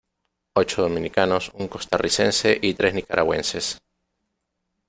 Ocho dominicanos, un costarricense y tres nicaragüenses.